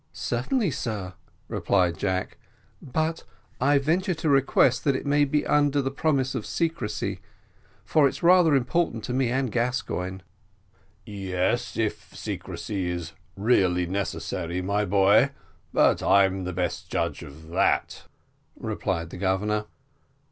"Certainly, sir," replied Jack; "but I venture to request that it may be under the promise of secrecy, for it's rather important to me and Gascoigne." "Yes, if secrecy is really necessary, my boy; but I'm the best judge of that," replied the Governor.